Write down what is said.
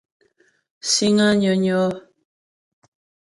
Síŋ á nyə́nyɔ́.